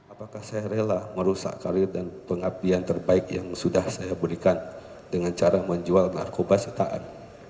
apakah saya rela merusak karir dan pengabdian terbaik yang sudah saya berikan dengan cara menjual narkoba setaan